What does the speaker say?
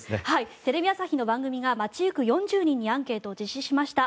テレビ朝日の番組が街行く４０人にアンケートを実施しました。